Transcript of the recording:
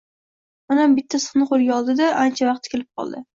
Otam bitta sixni qo‘liga oldi-da ancha vaqt tikilib qoldi.